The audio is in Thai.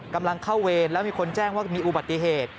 กำลังเข้าเวรแล้วมีคนแจ้งว่ามีอุบัติเหตุ